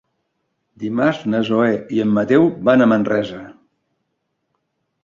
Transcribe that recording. Dimarts na Zoè i en Mateu van a Manresa.